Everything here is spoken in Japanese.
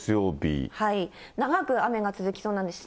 長く雨が続きそうなんです。